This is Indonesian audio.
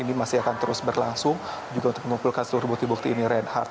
ini masih akan terus berlangsung juga untuk mengumpulkan seluruh bukti bukti ini reinhardt